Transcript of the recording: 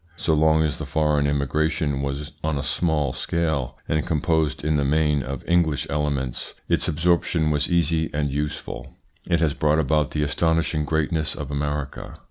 So long as the foreign immigration was on a small scale, and composed in the main of English elements, ITS INFLUENCE ON THEIR EVOLUTION 161 its absorption was easy and useful. It has brought about the astonishing greatness of America.